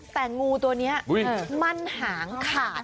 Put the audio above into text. แต่งูตัวนี้มันหางขาด